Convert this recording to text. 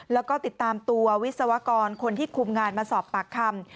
แล้วก็ติดตามตัววิศวกรคนที่คุมงานมาสอบปากคำ